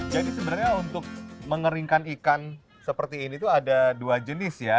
jadi sebenarnya untuk mengeringkan ikan seperti ini tuh ada dua jenis ya